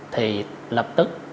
thì lập tức